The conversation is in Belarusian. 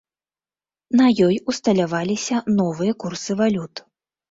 На ёй усталяваліся новыя курсы валют.